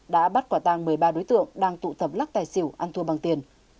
đã bắt quả tang một mươi ba đối tượng đang tụ tập lắc tài xỉu ăn thua bằng tiền